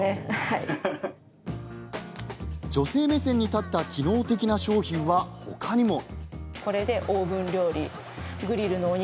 女性目線に立った機能的な商品はほかにも。